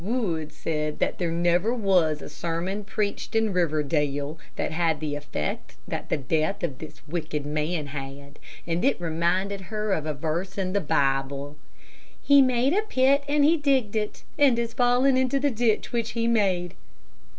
Wood said that there was never a sermon preached in Riverdale that had the effect that the death of this wicked man had, and it reminded her of a verse in the Bible: "He made a pit and he digged it, and is fallen into the ditch which he made."